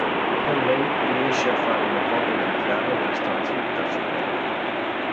Henley riesce a fare una copia della chiave della stanza del terzo piano.